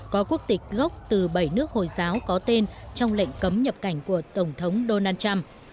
có quốc tịch gốc từ bảy nước hồi giáo có tên trong lệnh cấm nhập cảnh của tổng thống donald trump